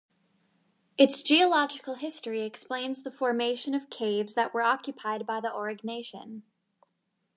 Its geological history explains the formation of caves that were occupied by the Aurignacian.